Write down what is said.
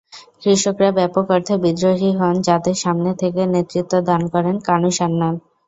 কৃষকরা ব্যপক অর্থে বিদ্রোহী হন যাদের সামনে থেকে নেতৃত্ব দান করেন কানু সান্যাল।